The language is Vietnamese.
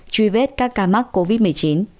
truy vết các ca mắc covid một mươi chín